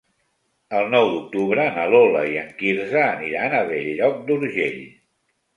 El nou d'octubre na Lola i en Quirze aniran a Bell-lloc d'Urgell.